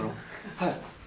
はい。